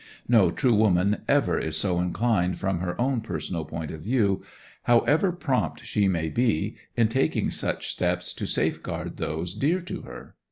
No true woman ever is so inclined from her own personal point of view, however prompt she may be in taking such steps to safeguard those dear to her.